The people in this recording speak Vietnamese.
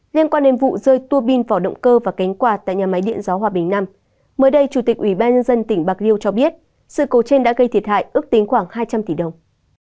nên qua nền vụ rơi tua bin vào động cơ và cánh quạt tại nhà máy điện giáo hòa bình năm mới đây chủ tịch ủy ban nhân dân tỉnh bạc liêu cho biết sự cố trên đã gây thiệt hại ước tính khoảng hai trăm linh tỷ đồng